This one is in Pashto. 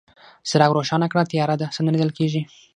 څراغ روښانه کړه، تياره ده، څه نه ليدل کيږي.